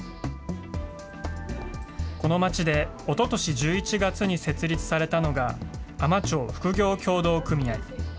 この町で、おととし１１月に設立されたのが、海士町複業協同組合。